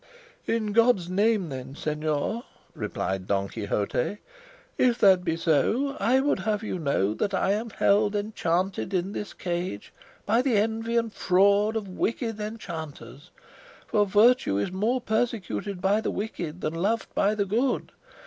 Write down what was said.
"In God's name, then, señor," replied Don Quixote; "if that be so, I would have you know that I am held enchanted in this cage by the envy and fraud of wicked enchanters; for virtue is more persecuted by the wicked than loved by the good.